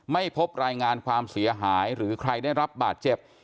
ไม่พบรายงานความเสียหายหรือใครได้รับบาดเจ็บ